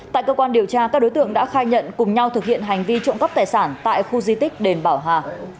tại cơ quan điều tra các đối tượng đã khai nhận cùng nhau thực hiện hành vi trộm cắp tài sản tại khu di tích đền bảo hà